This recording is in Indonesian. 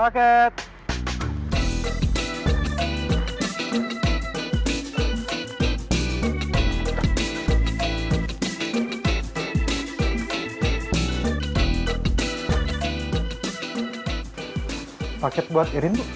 sama sama mari bu